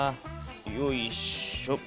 よいしょ。